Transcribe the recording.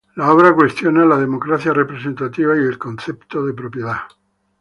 La obra cuestiona la democracia representativa y el concepto de propiedad.